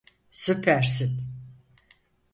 Süpersin!